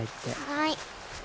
はい。